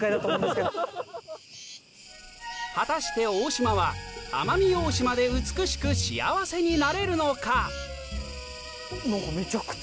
果たして大島は奄美大島で美しく幸せになれるのか？